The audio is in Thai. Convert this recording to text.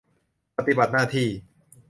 ปฏิบัติหน้าที่